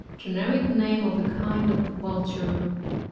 Generic name of a kind of Vnlture.